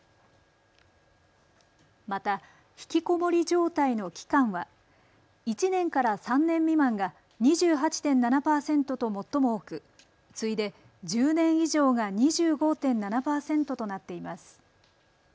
またひきこもり状態の期間は１年から３年未満が２８．７％と最も多く、次いで１０年以上が２５．７％となっています。